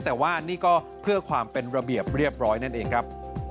แต่ว่านี่ก็เพื่อความเป็นระเบียบเรียบร้อยนั่นเองครับ